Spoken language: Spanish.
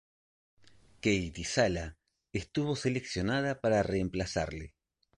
Katie Sala estuvo seleccionada para reemplazarle.